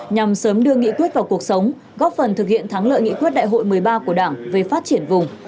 nhằm sớm đưa nghị quyết vào cuộc sống góp phần thực hiện thắng lợi nghị quyết đại hội một mươi ba của đảng về phát triển vùng